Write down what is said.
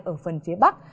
ở phần phía bắc